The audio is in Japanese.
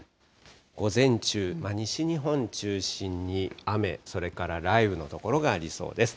午前中、西日本中心に雨、それから雷雨の所がありそうです。